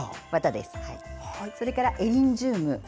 それからエリンジウム。